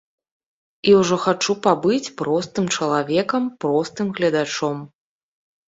І ўжо хачу пабыць простым чалавекам, простым гледачом.